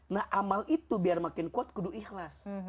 nah amal itu biar makin kuat kudu ikhlas